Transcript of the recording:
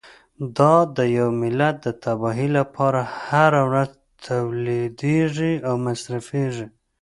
دا د یوه ملت د تباهۍ لپاره هره ورځ تولیدیږي او مصرفیږي.